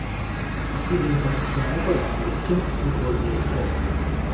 Ha sido internacional con la Selección de fútbol de Escocia.